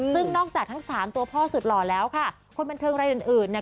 ซึ่งนอกจากทั้งสามตัวพ่อสุดหล่อแล้วค่ะคนบันเทิงรายอื่นอื่นเนี่ย